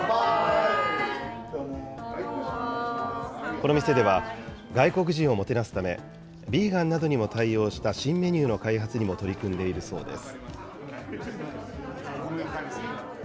この店では外国人をもてなすため、ビーガンなどにも対応した新メニューの開発にも取り組んでいるそうです。